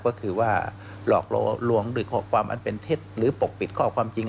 ก็คือว่าหลอกล่อลวงด้วยข้อความอันเป็นเท็จหรือปกปิดข้อความจริง